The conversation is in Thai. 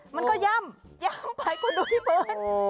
มันก็ย่ำไปกว่าดูที่เปิ้ล